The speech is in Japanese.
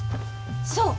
そう！